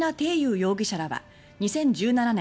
容疑者らは２０１７年